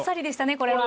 これは。